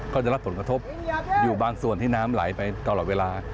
ก็จะรับผลกระทบอยู่บางส่วนที่น้ำไหลไปตลอดเวลา